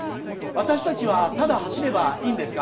私たちはただ走ればいいんですか？